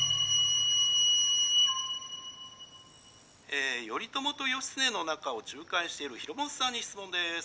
「え『頼朝と義経の仲を仲介しているひろもとさんに質問です。